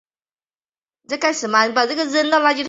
原为骑在马上弹奏。